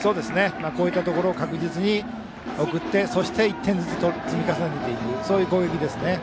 こういったところを確実に送ってそして１点ずつ積み重ねていく攻撃ですね。